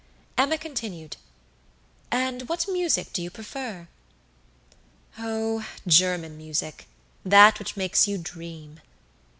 Emma continued, "And what music do you prefer?" "Oh, German music; that which makes you dream."